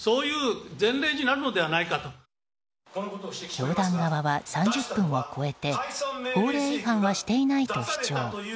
教団側は、３０分を超えて法令違反はしていないと主張。